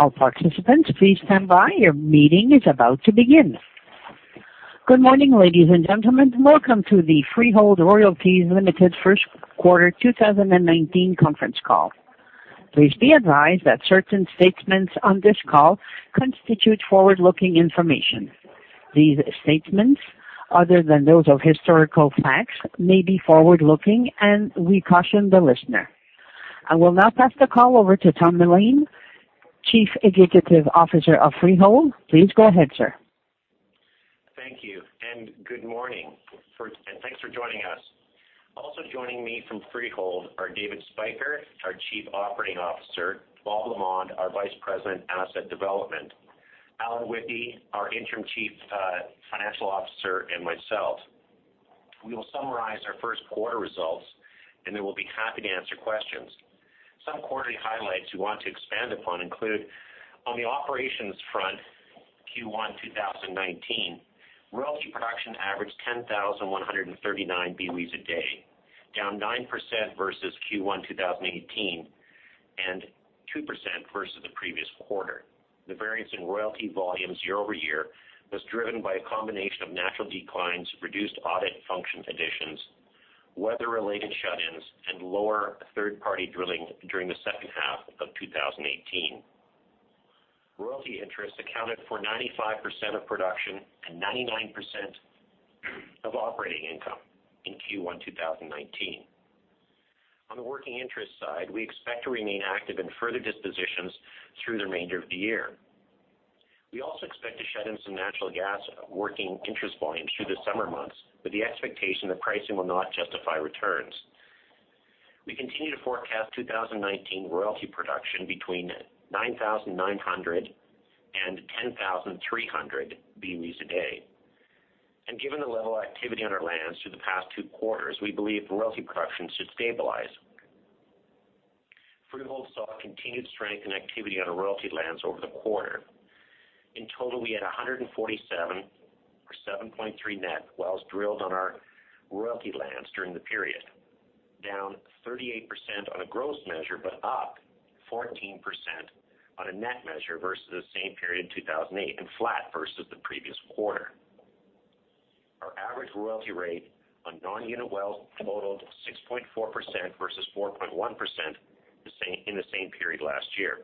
All participants, please stand by. Your meeting is about to begin. Good morning, ladies and gentlemen. Welcome to the Freehold Royalties Ltd. first quarter 2019 conference call. Please be advised that certain statements on this call constitute forward-looking information. These statements, other than those of historical facts, may be forward-looking, and we caution the listener. I will now pass the call over to Tom Mullane, Chief Executive Officer of Freehold. Please go ahead, sir. Thank you, good morning. Thanks for joining us. Also joining me from Freehold are David Spyker, our Chief Operating Officer, Robert Lamond, our Vice President, Asset Development, Alan Withey, our interim Chief Financial Officer, and myself. We will summarize our first quarter results. We will be happy to answer questions. Some quarterly highlights we want to expand upon include on the operations front, Q1 2019, royalty production averaged 10,139 BOEs a day, down 9% versus Q1 2018, and 2% versus the previous quarter. The variance in royalty volumes year-over-year was driven by a combination of natural declines, reduced audit function additions, weather-related shut-ins, and lower third-party drilling during the second half of 2018. Royalty interests accounted for 95% of production and 99% of operating income in Q1 2019. On the working interest side, we expect to remain active in further dispositions through the remainder of the year. We also expect to shed in some natural gas working interest volumes through the summer months, with the expectation that pricing will not justify returns. We continue to forecast 2019 royalty production between 9,900 and 10,300 BOEs a day. Given the level of activity on our lands through the past two quarters, we believe royalty production should stabilize. Freehold saw continued strength and activity on our royalty lands over the quarter. In total, we had 147 or 7.3 net wells drilled on our royalty lands during the period, down 38% on a gross measure, but up 14% on a net measure versus the same period in 2018, and flat versus the previous quarter. Our average royalty rate on non-unit wells totaled 6.4% versus 4.1% in the same period last year.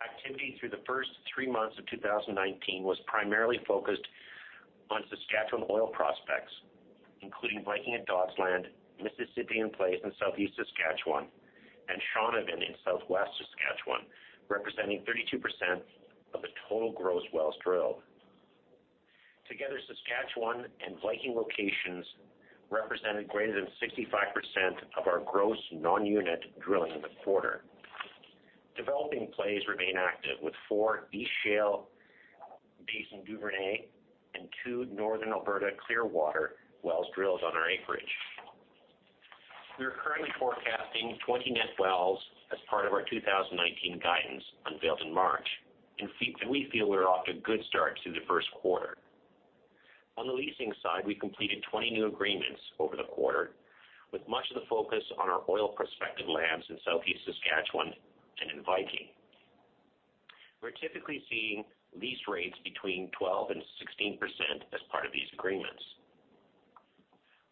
Activity through the first three months of 2019 was primarily focused on Saskatchewan oil prospects, including Viking at Dodsland, Mississippian plays in southeast Saskatchewan, and Shaunavon in southwest Saskatchewan, representing 32% of the total gross wells drilled. Together, Saskatchewan and Viking locations represented greater than 65% of our gross non-unit drilling in the quarter. Developing plays remain active with four East Shale Basin Duvernay and two northern Alberta Clearwater wells drilled on our acreage. We are currently forecasting 20 net wells as part of our 2019 guidance unveiled in March. We feel we are off to a good start through the first quarter. On the leasing side, we completed 20 new agreements over the quarter, with much of the focus on our oil prospective lands in southeast Saskatchewan and in Viking. We are typically seeing lease rates between 12% and 16% as part of these agreements.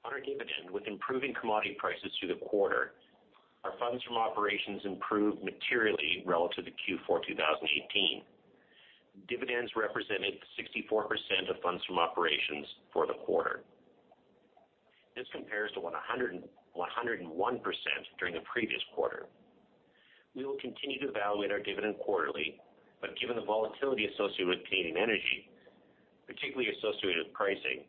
On our dividend, with improving commodity prices through the quarter, our funds from operations improved materially relative to Q4 2018. Dividends represented 64% of funds from operations for the quarter. This compares to 101% during the previous quarter. We will continue to evaluate our dividend quarterly, but given the volatility associated with Canadian energy, particularly associated with pricing,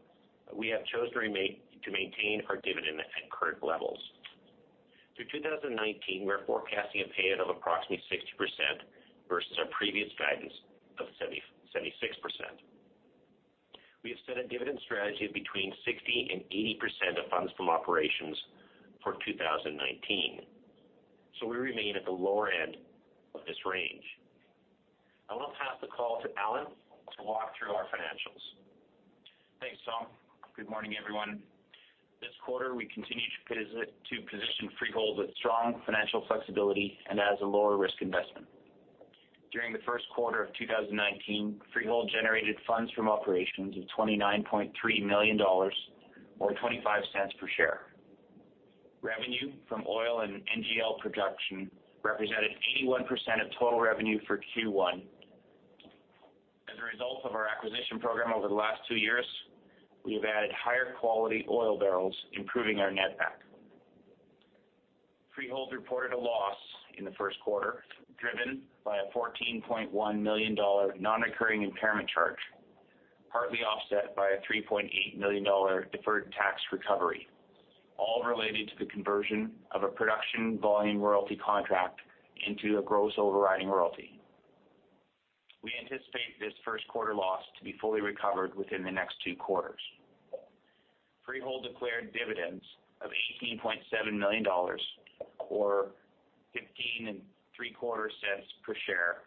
we have chosen to maintain our dividend at current levels. Through 2019, we are forecasting a payout of approximately 60% versus our previous guidance of 76%. We have set a dividend strategy of between 60%-80% of funds from operations for 2019. We remain at the lower end of this range. I will pass the call to Alan to walk through our financials. Thanks, Tom. Good morning, everyone. This quarter, we continue to position Freehold with strong financial flexibility and as a lower risk investment. During the first quarter of 2019, Freehold generated funds from operations of 29.3 million dollars or 0.25 per share. Revenue from oil and NGL production represented 81% of total revenue for Q1. As a result of our acquisition program over the last two years, we have added higher quality oil barrels, improving our netback. Freehold reported a loss in the first quarter, driven by a 14.1 million dollar non-recurring impairment charge, partly offset by a 3.8 million dollar deferred tax recovery, all related to the conversion of a production volume royalty contract into a gross overriding royalty. We anticipate this first quarter loss to be fully recovered within the next two quarters. Freehold declared dividends of 18.7 million dollars, or 0.1575 per share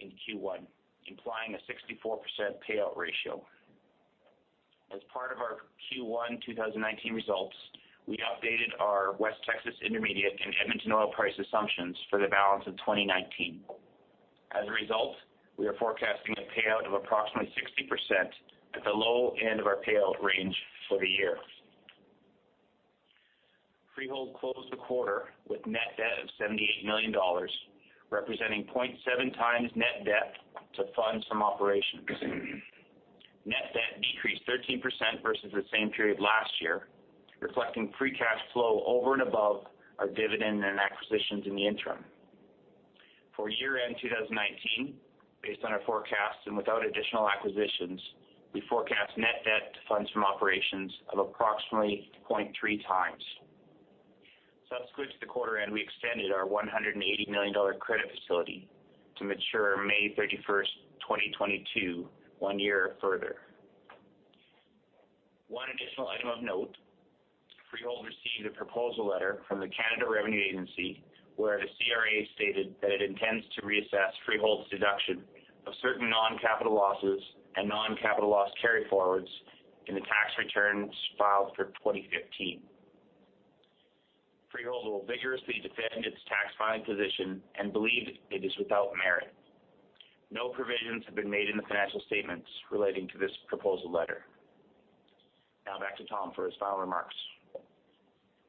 for Q1, implying a 64% payout ratio. As part of our Q1 2019 results, we updated our West Texas Intermediate and Edmonton oil price assumptions for the balance of 2019. As a result, we are forecasting a payout of approximately 60% at the low end of our payout range for the year. Freehold closed the quarter with net debt of 78 million dollars, representing 0.7 times net debt to funds from operations. Net debt decreased 13% versus the same period last year, reflecting free cash flow over and above our dividend and acquisitions in the interim. For year-end 2019, based on our forecasts and without additional acquisitions, we forecast net debt to funds from operations of approximately 0.3 times. Subsequent to the quarter end, we extended our 180 million dollar credit facility to mature May 31st, 2022, one year further. One additional item of note, Freehold received a proposal letter from the Canada Revenue Agency where the CRA stated that it intends to reassess Freehold's deduction of certain non-capital losses and non-capital loss carryforwards in the tax returns filed for 2015. Freehold will vigorously defend its tax filing position and believe it is without merit. No provisions have been made in the financial statements relating to this proposal letter. Back to Tom for his final remarks.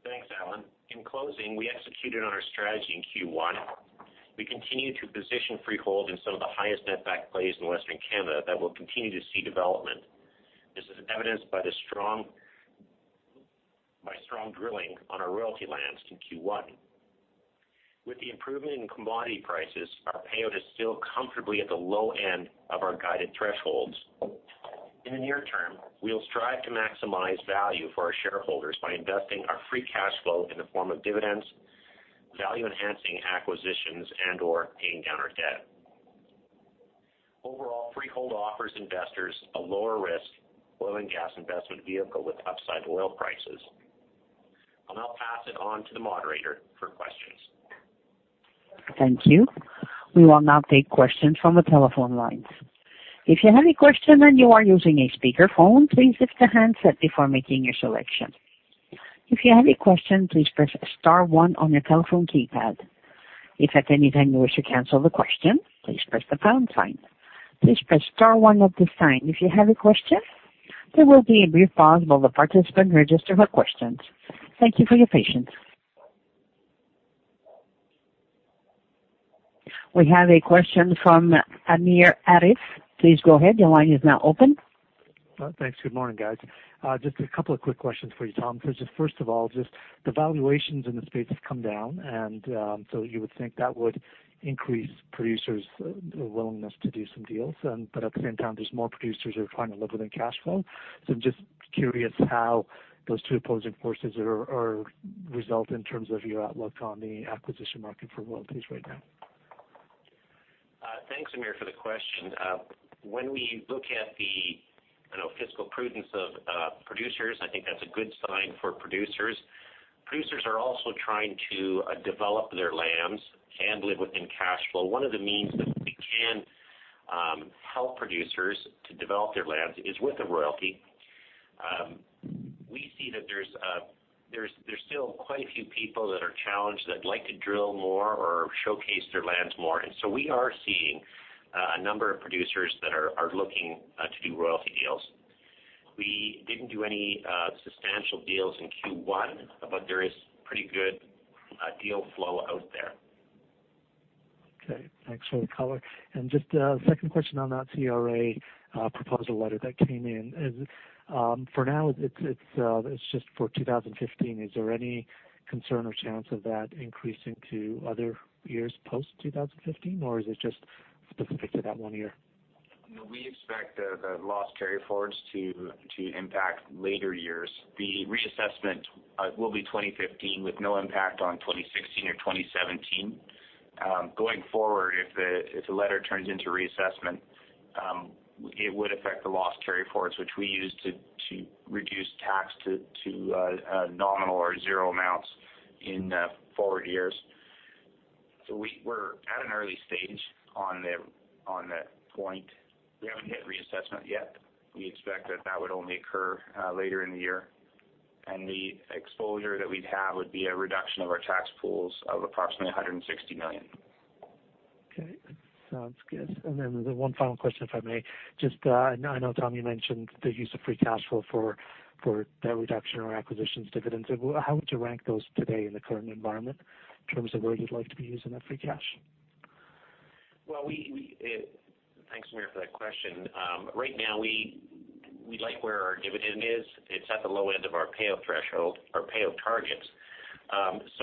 Thanks, Alan. In closing, we executed on our strategy in Q1. We continue to position Freehold in some of the highest netback plays in Western Canada that will continue to see development. This is evidenced by strong drilling on our royalty lands in Q1. With the improvement in commodity prices, our payout is still comfortably at the low end of our guided thresholds. In the near term, we'll strive to maximize value for our shareholders by investing our free cash flow in the form of dividends, value-enhancing acquisitions, and/or paying down our debt. Overall, Freehold offers investors a lower risk oil and gas investment vehicle with upside oil prices. I'll now pass it on to the moderator for questions. Thank you. We will now take questions from the telephone lines. If you have a question and you are using a speakerphone, please lift the handset before making your selection. If you have a question, please press star one on your telephone keypad. If at any time you wish to cancel the question, please press the pound sign. Please press star one at this time if you have a question. There will be a brief pause while the participant registers her questions. Thank you for your patience. We have a question from Amir Aref. Please go ahead. Your line is now open. Thanks. Good morning, guys. Just a couple of quick questions for you, Tom. First of all, just the valuations in the space have come down, you would think that would increase producers' willingness to do some deals. At the same time, there's more producers who are trying to live within cash flow. Just curious how those two opposing forces are result in terms of your outlook on the acquisition market for royalties right now. Thanks, Amir, for the question. When we look at the fiscal prudence of producers, I think that's a good sign for producers. Producers are also trying to develop their lands and live within cash flow. One of the means that we can help producers to develop their lands is with a royalty. We see that there's still quite a few people that'd like to drill more or showcase their lands more. We are seeing a number of producers that are looking to do royalty deals. We didn't do any substantial deals in Q1, there is pretty good deal flow out there. Okay, thanks for the color. Just a second question on that CRA proposal letter that came in. For now, it's just for 2015. Is there any concern or chance of that increasing to other years post-2015? Or is it just specific to that one year? No, we expect the loss carryforwards to impact later years. The reassessment will be 2015 with no impact on 2016 or 2017. Going forward, if the letter turns into reassessment, it would affect the loss carryforwards, which we use to reduce tax to nominal or zero amounts in forward years. We're at an early stage on that point. We haven't hit reassessment yet. We expect that that would only occur later in the year. The exposure that we'd have would be a reduction of our tax pools of approximately 160 million. Okay, sounds good. Then the one final question, if I may. I know, Tom, you mentioned the use of free cash flow for debt reduction or acquisitions dividends. How would you rank those today in the current environment in terms of where you'd like to be using that free cash? Thanks, Amir, for that question. Right now, we like where our dividend is. It's at the low end of our payout threshold, our payout targets.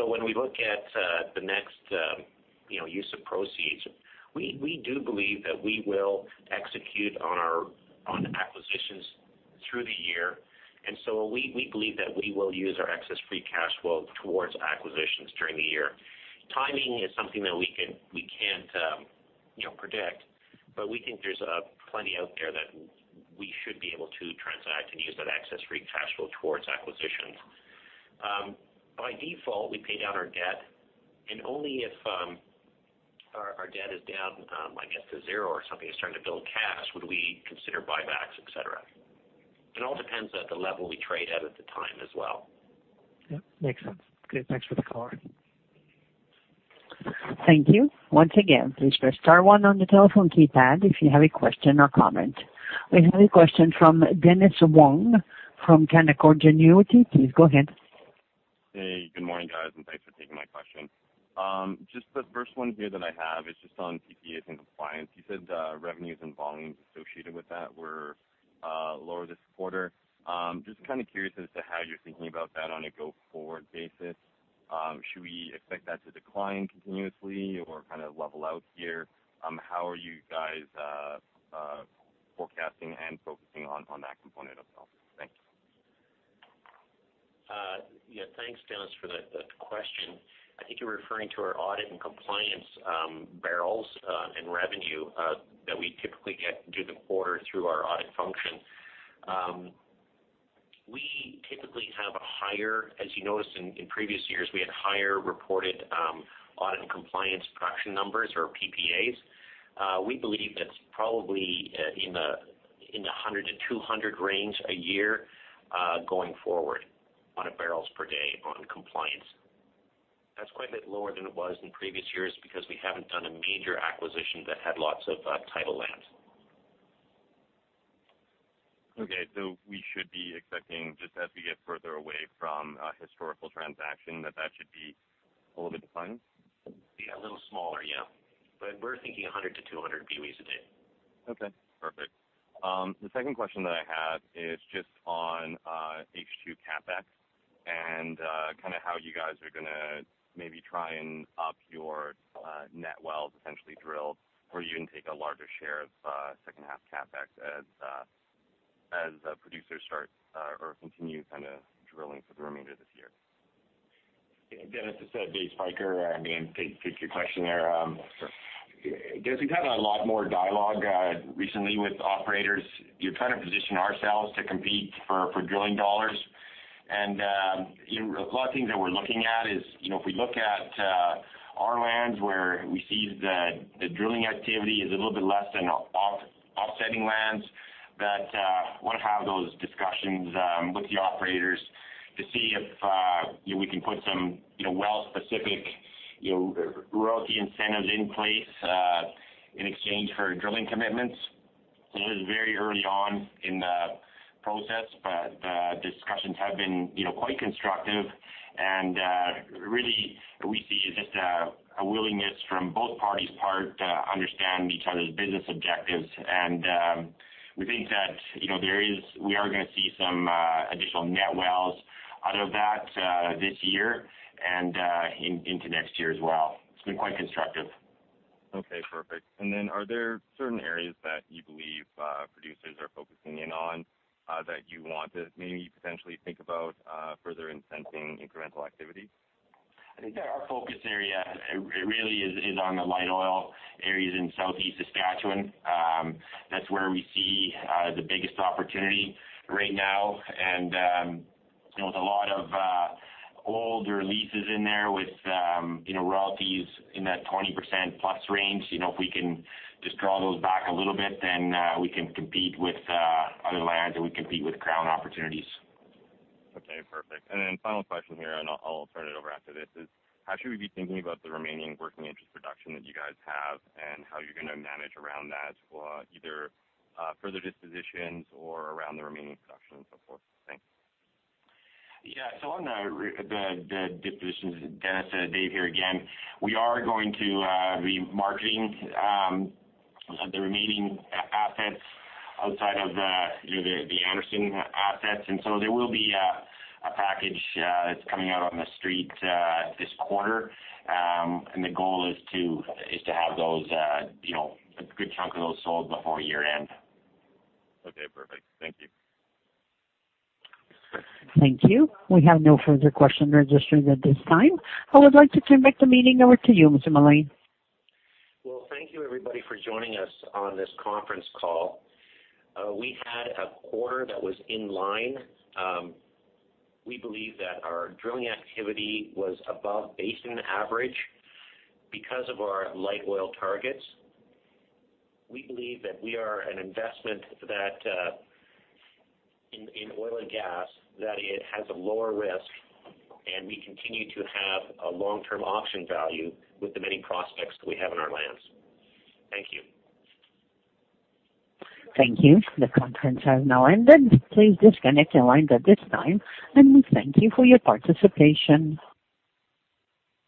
When we look at the next use of proceeds, we do believe that we will execute on acquisitions through the year, we believe that we will use our excess free cash flow towards acquisitions during the year. Timing is something that we can't predict, but we think there's plenty out there that we should and use that excess free cash flow towards acquisitions. By default, we pay down our debt, and only if our debt is down, I guess to zero or something, and starting to build cash, would we consider buybacks, et cetera. It all depends on the level we trade at at the time as well. Yep, makes sense. Okay, thanks for the color. Thank you. Once again, please press star one on the telephone keypad if you have a question or comment. We have a question from Dennis Wong from Canaccord Genuity. Please go ahead. Hey, good morning, guys, and thanks for taking my question. Just the first one here that I have is just on PPAs and compliance. You said revenues and volumes associated with that were lower this quarter. Just kind of curious as to how you're thinking about that on a go-forward basis. Should we expect that to decline continuously or kind of level out here? How are you guys forecasting and focusing on that component of the business? Thanks. Yeah. Thanks, Dennis, for the question. I think you're referring to our audit and compliance barrels in revenue that we typically get through the quarter through our audit function. As you noticed in previous years, we had higher reported audit and compliance production numbers or PPAs. We believe that's probably in the 100-200 range a year going forward on a barrels per day on compliance. That's quite a bit lower than it was in previous years because we haven't done a major acquisition that had lots of title lands. Okay. We should be expecting just as we get further away from a historical transaction, that that should be a little bit declining? Yeah, a little smaller, yeah. We're thinking 100 to 200 BOEs a day. Okay, perfect. The second question that I had is just on H2 CapEx and how you guys are going to maybe try and up your net wells essentially drilled, or even take a larger share of second half CapEx as producers start or continue kind of drilling for the remainder of this year. Dennis, it's Dave Spyker. I'm going to take your question there. Sure. Dennis, we've had a lot more dialogue recently with operators. We're trying to position ourselves to compete for drilling dollars. A lot of things that we're looking at is, if we look at our lands where we see the drilling activity is a little bit less than offsetting lands, that want to have those discussions with the operators to see if we can put some well-specific royalty incentives in place in exchange for drilling commitments. It is very early on in the process, but the discussions have been quite constructive, and really, we see just a willingness from both parties part to understand each other's business objectives. We think that we are gonna see some additional net wells out of that this year and into next year as well. It's been quite constructive. Okay, perfect. Are there certain areas that you believe producers are focusing in on that you want to maybe potentially think about further incenting incremental activity? I think that our focus area really is on the light oil areas in southeast Saskatchewan. That's where we see the biggest opportunity right now, and with a lot of older leases in there with royalties in that 20% plus range. If we can just draw those back a little bit, then we can compete with other lands, and we compete with Crown opportunities. Okay, perfect. Final question here, and I'll turn it over after this, is how should we be thinking about the remaining working interest production that you guys have and how you're gonna manage around that for either further dispositions or around the remaining production and so forth? Thanks. Yeah. On the dispositions, Dennis Wong, Dave here again. We are going to be marketing the remaining assets outside of the Anderson assets. There will be a package that's coming out on TheStreet this quarter. The goal is to have a good chunk of those sold before year-end. Okay, perfect. Thank you. Thanks, Dennis Wong. Thank you. We have no further questions registered at this time. I would like to turn back the meeting over to you, Mr. Mullane. Well, thank you everybody for joining us on this conference call. We had a quarter that was in line. We believe that our drilling activity was above basin average because of our light oil targets. We believe that we are an investment that in oil and gas, it has a lower risk, and we continue to have a long-term option value with the many prospects that we have in our lands. Thank you. Thank you. The conference has now ended. Please disconnect your lines at this time, and we thank you for your participation.